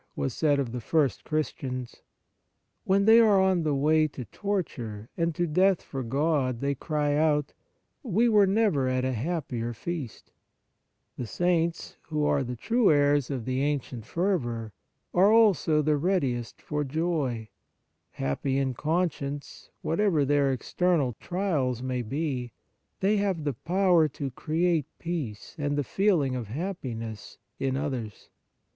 was said of the first Christians. When they are on the way to torture and to death for God, they cry out :" We were never at a happier feast." The Saints, who are the true heirs of the ancient fervour, are also the readiest for joy : happy in conscience, whatever their external trials may be, they have the power to create * i Thess. v. 16. t 2 Cor. i. 23. X Phil. iv. 1. § 2 Cor. vii. 4. || Acts v. 41. 151 On Piety peace and the feeling of happiness in others.